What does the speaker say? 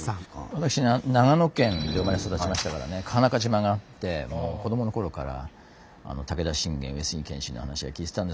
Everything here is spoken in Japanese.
私ね長野県で生まれ育ちましたからね川中島があってもう子どもの頃から武田信玄上杉謙信の話は聞いてたんですけど。